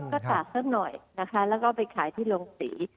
ก็ตากเพิ่มหน่อยแล้วก็ไปขายที่โรงศรี